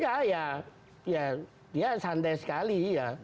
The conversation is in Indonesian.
ya ya ya dia santai sekali ya